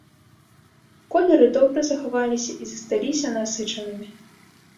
Колеры добра захаваліся і засталіся насычанымі.